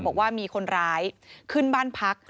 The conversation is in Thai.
บอกว่ามีคนร้ายขึ้นบ้านพัก